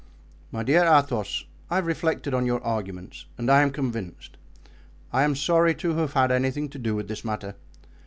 "My dear Athos, I have reflected on your arguments and I am convinced. I am sorry to have had anything to do with this matter.